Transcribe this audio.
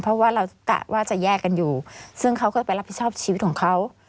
เพราะว่าเรากะว่าจะแยกกันอยู่ซึ่งเขาก็ไปรับผิดชอบชีวิตของเขา